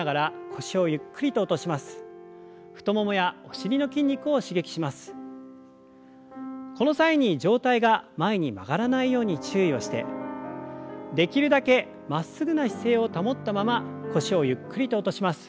この際に上体が前に曲がらないように注意をしてできるだけまっすぐな姿勢を保ったまま腰をゆっくりと落とします。